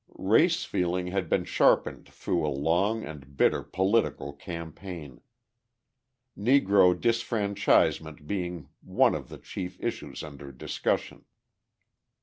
Race feeling had been sharpened through a long and bitter political campaign, Negro disfranchisement being one of the chief issues under discussion.